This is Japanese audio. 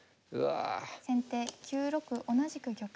先手９六同じく玉。